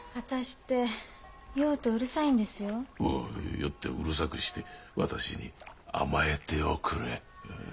酔ってうるさくして私に甘えておくれ。